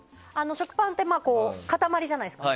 食パンって塊じゃないですか